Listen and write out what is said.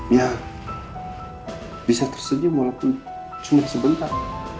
ya bisa tersedia walaupun cuma sebentar